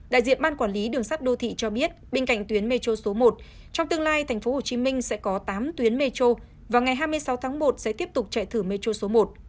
đại diện ban quản lý đường sắt đô thị cho biết bên cạnh tuyến metro số một trong tương lai tp hcm sẽ có tám tuyến metro và ngày hai mươi sáu tháng một sẽ tiếp tục chạy thử metro số một